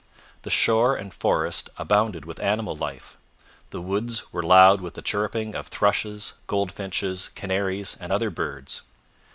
The shore and forest abounded with animal life. The woods were loud with the chirruping of thrushes, goldfinches, canaries, and other birds.